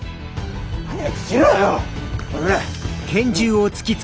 早くしろよ！